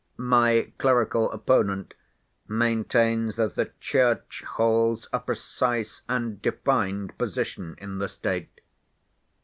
My clerical opponent maintains that the Church holds a precise and defined position in the State.